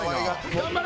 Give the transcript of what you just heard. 頑張れ！